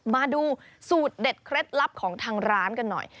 มาดูสูตรเด็ดเคล็ดลับของทางร้านกันหน่อย